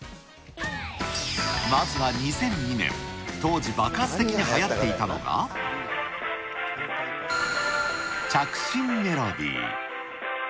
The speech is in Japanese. まずは２００２年、当時爆発的にはやっていたのが、着信メロディー。